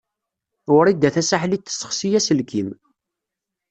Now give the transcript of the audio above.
Wrida Tasaḥlit tessexsi aselkim.